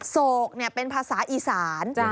โศกเป็นภาษาอีสาน